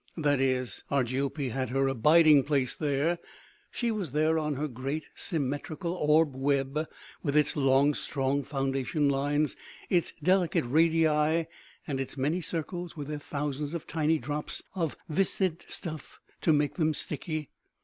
That is, Argiope had her abiding place there; she was there on her great symmetrical orb web, with its long strong foundation lines, its delicate radii and its many circles with their thousands of tiny drops of viscid stuff to make them sticky.